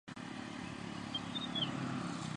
kata viazi lishe viande